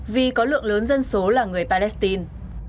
vì có lượng lớn dân số là người palestine